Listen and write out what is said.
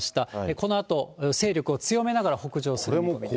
このあと、勢力を強めながら北上する見込みです。